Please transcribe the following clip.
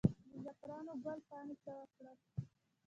د زعفرانو ګل پاڼې څه وکړم؟